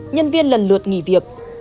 nhân viên lần lượt nghỉ việc